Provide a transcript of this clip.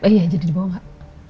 iya jadi dibawa enggak